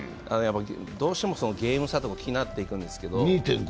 どうしてもゲーム差とか気になっていくんですけど。